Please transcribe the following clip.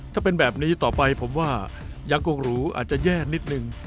ถ้าเป็นแบบนี้ต่อไปผมว่ายังคงหรูอาจจะแย่นิดนึง